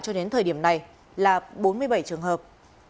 cho đến thời điểm này là bốn mươi bảy trường hợp